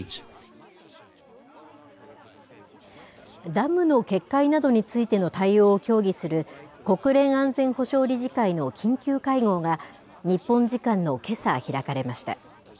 ダムの決壊などについての対応を協議する、国連安全保障理事会の緊急会合が、日本時間のけさ開かれました。